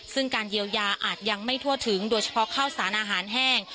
ซึ่งการเยียวยาอาจยังไม่ทั่วถึงโดยเฉพาะข้าวสารอาหารแห้ง